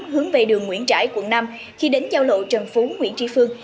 hướng về đường nguyễn trãi quận năm khi đến giao lộ trần phú nguyễn tri phương